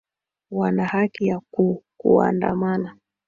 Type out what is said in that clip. wanaa haki ya ku kuandamana